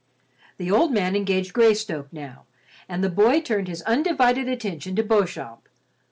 The old man engaged Greystoke now, and the boy turned his undivided attention to Beauchamp.